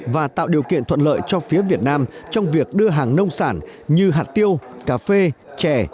và tạo điều kiện thuận lợi cho phía việt nam trong việc đưa hàng nông sản như hạt tiêu cà phê chè